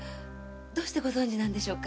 どうしてご存知なのでしょう？